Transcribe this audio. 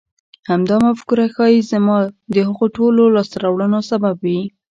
همدا مفکوره ښايي زما د هغو ټولو لاسته راوړنو سبب وي.